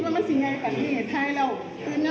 ไม่ได้คิดว่ามันจะเป็นแบบนี้